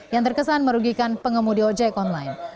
yang terkesan merugikan pengemudi ojek online